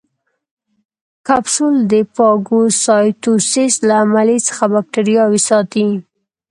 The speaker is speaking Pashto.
کپسول د فاګوسایټوسس له عملیې څخه باکتریاوې ساتي.